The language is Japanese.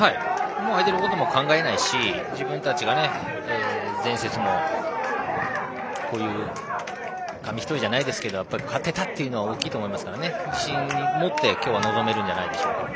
相手のことも考えないし自分たちが前節も紙一重じゃないですけど勝てたというのは大きいと思いますから自信を持って今日は臨めるんじゃないでしょう。